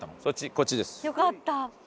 こっちです。